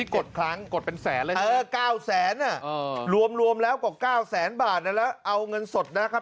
กดครั้งกดเป็นแสนเลยนะ๙แสนรวมแล้วกว่า๙แสนบาทแล้วเอาเงินสดนะครับ